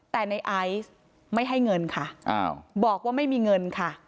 แต่ในไอซ์ไม่ให้เงินค่ะบอกว่าไม่มีเงินค่ะ